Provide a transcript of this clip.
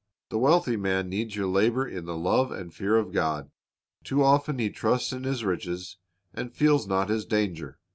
The wealthy man needs your labor in the love and fear of God. Too often he trusts in his riches, and feels not his danger.